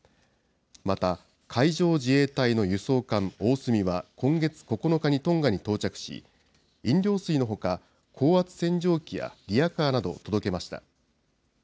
また、海上自衛隊の輸送艦おおすみは今月９日にトンガに到着し、飲料水のほか、高圧洗浄機やリヤカーなどを届けました。